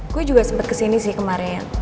gue juga sempet kesini sih kemaren